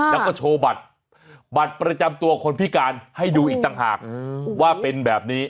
แล้วก็โชว์บัตรประจำตัวคนพิการให้ดูอีกต่างหากว่าเป็นแบบนี้